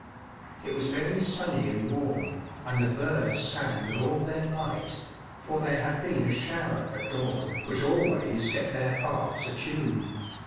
It was very sunny and warm, and the birds sang with all their might, for there had been a shower at dawn, which always set their hearts atune.